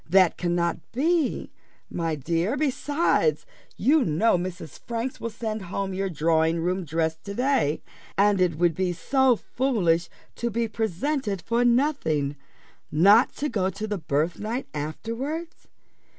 That cannot be, my dear; besides, you know Mrs. Franks will send home your drawing room dress to day, and it would be so foolish to be presented for nothing not to go to the birthnight afterwards.